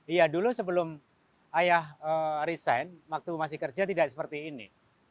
iya dulu sebelum ayah resign waktu masih kerja tidak seperti ini